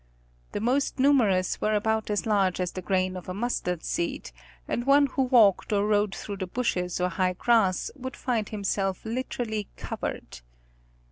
The most numerous were about as large as a grain of mustard seed, and one who walked or rode through the bushes or high grass would find himself literally covered.